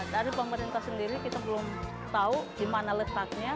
dari pemerintah sendiri kita belum tahu di mana letaknya